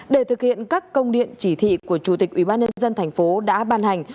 để thực hiện các công điện chỉ thị của chủ tịch ubnd thành phố đã ban hành